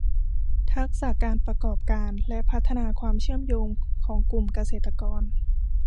ทักษะการประกอบการและพัฒนาความเชื่อมโยงของกลุ่มเกษตรกร